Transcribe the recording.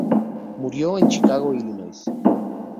Murió en Chicago, Illinois.